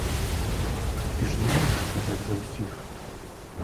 Ты ж не можаш казаць за ўсіх.